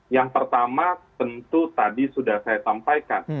yang pertama tentu tadi sudah saya sampaikan